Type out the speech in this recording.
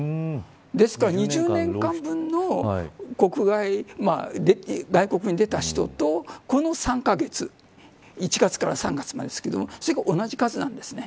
ですから、２０年間分の外国に出た人とこの３カ月１月から３月までですがそれが同じ数なんです。